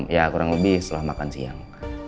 ya kurang lebih setelah makan siang